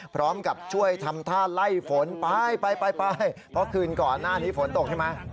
พร้อมกับช่วยทำท่าไล่ฝนไปไปเพราะคืนก่อนหน้านี้ฝนตกใช่ไหม